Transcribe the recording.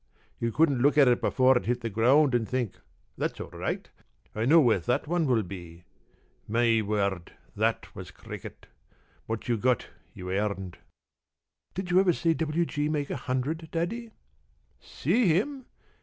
You couldn't look at it before it hit the ground and think, 'That's all right. I know where that one will be!' My word, that was cricket. What you got you earned." "Did you ever see W. G. make a hundred, Daddy?" "See him!